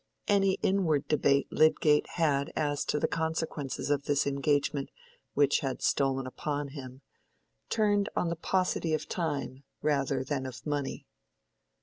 Any inward debate Lydgate had as to the consequences of this engagement which had stolen upon him, turned on the paucity of time rather than of money.